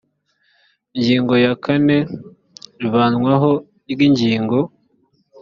ingingo ya kane ivanwaho ry ingingo